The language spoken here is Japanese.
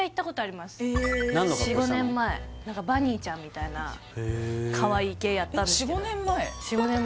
４５年前何かバニーちゃんみたいなカワイイ系やったんですけどえっ